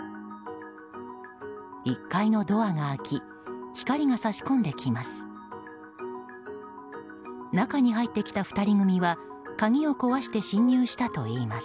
１階のドアが開き光が差し込んできます。